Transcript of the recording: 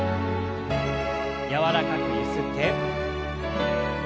柔らかくゆすって。